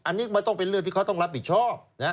อันนี้มันต้องเป็นเรื่องที่เขาต้องรับผิดชอบ